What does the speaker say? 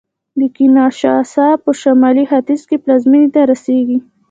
د کینشاسا په شمال ختیځ کې پلازمېنې ته رسېږي